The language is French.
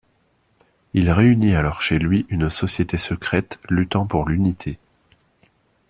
Il réunit alors chez lui une société secrète luttant pour l'unité.